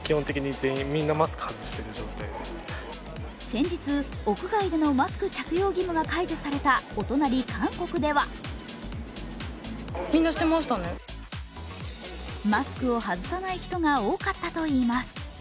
先日、屋外でのマスク着用義務が解除されたお隣・韓国ではマスクを外さない人が多かったといいます。